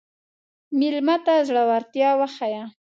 مېلمه ته زړورتیا وښیه.